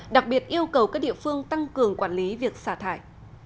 đặc biệt yêu cầu các địa phương tăng cường quản lý việc xả thải